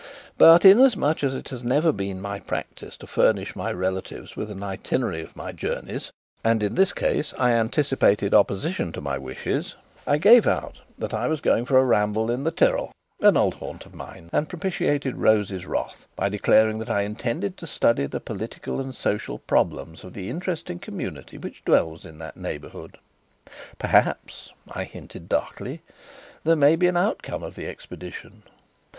But, inasmuch as it has never been my practice to furnish my relatives with an itinerary of my journeys and in this case I anticipated opposition to my wishes, I gave out that I was going for a ramble in the Tyrol an old haunt of mine and propitiated Rose's wrath by declaring that I intended to study the political and social problems of the interesting community which dwells in that neighbourhood. "Perhaps," I hinted darkly, "there may be an outcome of the expedition."